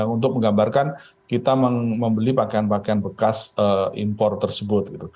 untuk menggambarkan kita membeli pakaian pakaian bekas impor tersebut